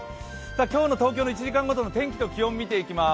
今日の東京の１時間後との天気と気温、見ていきます。